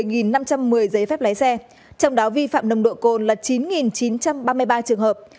một năm trăm một mươi giấy phép lái xe trong đó vi phạm nồng độ cồn là chín chín trăm ba mươi ba trường hợp